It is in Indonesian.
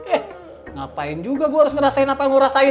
eh ngapain juga gue harus ngerasain apa yang gue rasain